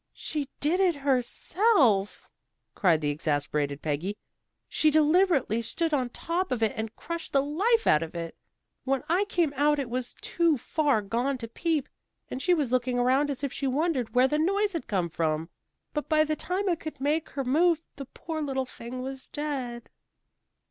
"She did it herself," cried the exasperated Peggy. "She deliberately stood on top of it and crushed the life out of it. When I came out it was too far gone to peep, and she was looking around as if she wondered where the noise had come from. But by the time I could make her move, the poor little thing was dead."